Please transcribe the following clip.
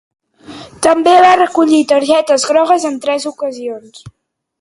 També va recollir targetes grogues en tres ocasions.